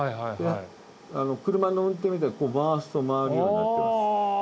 車の運転みたいに回すと回るようになってます。